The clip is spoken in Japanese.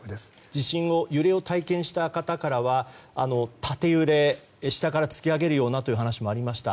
地震の揺れを体験した方からは縦揺れ、下から突き上げるようなという話もありました。